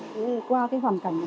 qua hoàn cảnh này phạm nhân đã chết